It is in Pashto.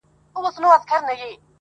يو چا تضاده کړم، خو تا بيا متضاده کړمه,